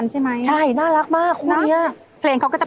ใช่น่ารักมากคู่นี้นะครับ